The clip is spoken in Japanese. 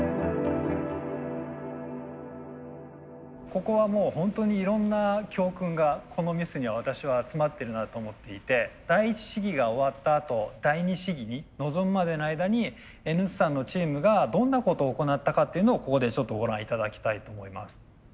ここはもうホントにいろんな教訓がこのミスには私は詰まってるなと思っていて第一試技が終わったあと第二試技に臨むまでの間にＮ産のチームがどんなことを行ったかっていうのをここでちょっとご覧頂きたいと思います。